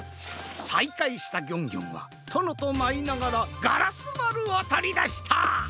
さいかいしたギョンギョンはとのとまいながらガラスまるをとりだした！